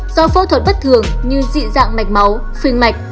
do phẫu thuật bất thường như dị dạng mạch máu suy mạch